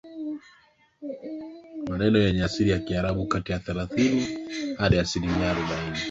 maneno yenye asili ya Kiarabu kati ya thelathini Hadi asilimia arobaini